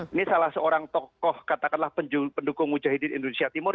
ini salah seorang tokoh katakanlah pendukung mujahidin indonesia timur